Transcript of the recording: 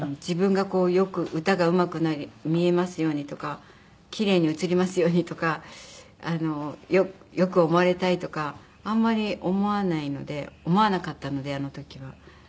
自分がこうよく歌がうまく見えますようにとかキレイに映りますようにとかよく思われたいとかあんまり思わないので思わなかったのであの時は。